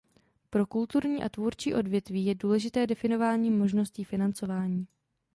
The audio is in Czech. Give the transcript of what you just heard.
Pro kulturní a tvůrčí odvětví je důležité definování možností financování.